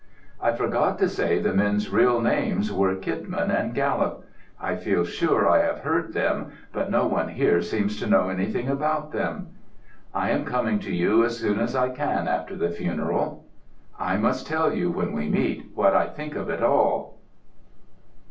I forgot to say the men's real names were Kidman and Gallop. I feel sure I have heard them, but no one here seems to know anything about them. I am coming to you as soon as I can after the funeral. I must tell you when we meet what I think of it all.